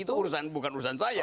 itu urusan bukan urusan saya